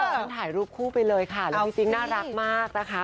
ถ่ายรูปคู่ไปเลยค่ะน่ารักมากนะคะ